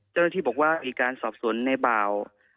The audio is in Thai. เจ้าหน้าที่บอกว่ามีการสอบสวนในบ่าว